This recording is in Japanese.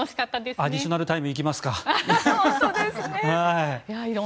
アディショナルタイム行きますか。